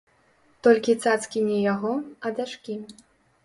Толькі цацкі не яго, а дачкі.